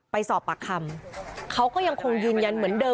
ไปสอบปากคำเขาก็ยังคงยืนยันเหมือนเดิม